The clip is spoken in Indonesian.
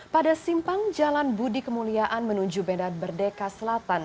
pada simpang jalan budi kemuliaan menuju benda berdeka selatan